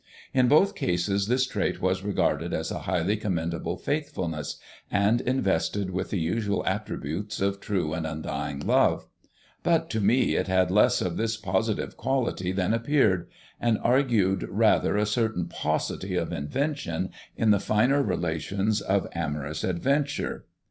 In both cases this trait was regarded as a highly commendable faithfulness, and invested with the usual attributes of true and undying love; but to me it had less of this positive quality than appeared, and argued rather a certain paucity of invention in the finer relations of amorous adventure.